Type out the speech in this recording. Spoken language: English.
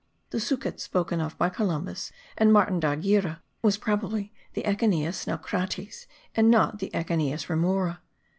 The sucet spoken of by Columbus and Martin d'Anghiera was probably the Echeneis naucrates and not the Echeneis remora.)